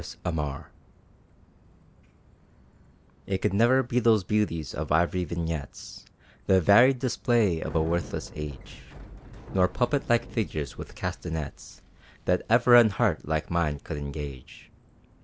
The Ideal It could ne'er be those beauties of ivory vignettes; The varied display of a worthless age, Nor puppet like figures with castonets, That ever an heart like mine could engage.